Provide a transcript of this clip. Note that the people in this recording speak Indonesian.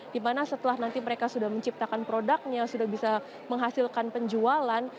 dimana setelah nanti mereka sudah menciptakan produknya sudah bisa menghasilkan penjualan